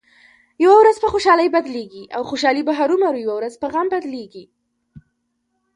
یوه ورځ په خوشحالۍ بدلېږي او خوشحالي به هرومرو یوه ورځ په غم بدلېږې.